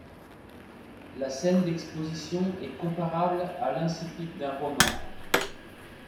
La scène d'exposition est comparable à l'incipit d'un roman.